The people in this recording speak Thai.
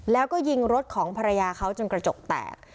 แล้วก็ยิงรถของภรรยาเขาจนกระจกแตก